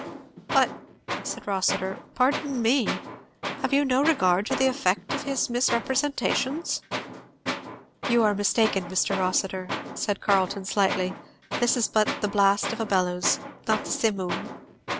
"But," said Rossitur, "pardon me, have you no regard to the effect of his misrepresentations?" "You are mistaken, Mr. Rossitur," said Carleton slightly; this is but the blast of a bellows, not the Simoom."